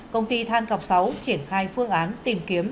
công ty than cọc sáu triển khai phương án tìm kiếm